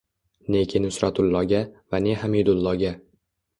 Neki Nusratulloga, va ne Hamidulloga